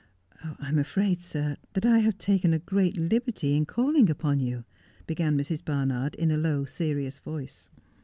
' I'm afraid, sir, that I have taken a great liberty in calling upon you,' began Mrs. Barnard, in a low, serious voice.